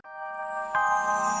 saya mau makan